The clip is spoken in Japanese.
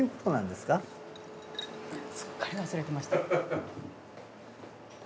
すっかり忘れてました。